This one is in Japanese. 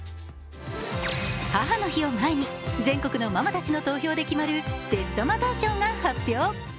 母の日を前に全国のママたちの投票で決まるベストマザー賞が発表。